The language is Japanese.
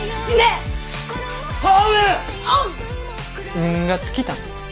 運が尽きたんです。